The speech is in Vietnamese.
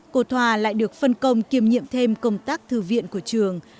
cô thoa lại được phân công kiêm nhiệm thêm công tác thư viện của trường